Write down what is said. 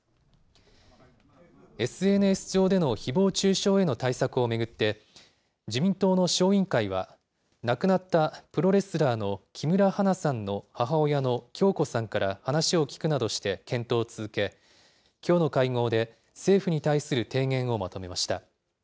ＳＮＳ上でのひぼう中傷への対策を巡って、自民党の小委員会は、亡くなった、プロレスラーの木村花さんの母親の響子さんから話を聞くなどして検討を続け、きょうの会合で政府に対する提言をまとめました。